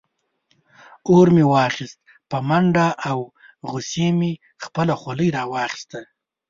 اور مې واخیست په منډه او غصې مې خپله خولۍ راواخیسته.